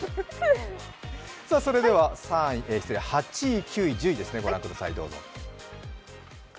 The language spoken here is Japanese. それでは８位、９位、１０位ご覧ください。